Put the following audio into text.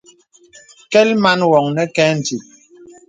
Kɛ̀l man wɔŋ nə kɛ ǹdìp.